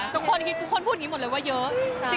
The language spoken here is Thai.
ต้องคนพูดหวังที่กลายที่ก็ว่าเยอะ